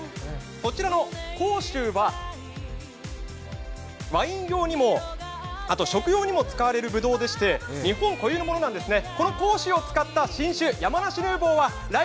こちらの甲州は、ワイン用にもあと食用にも使われるぶどうでして日本固有のものなんですね。